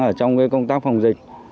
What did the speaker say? ở trong công tác phòng dịch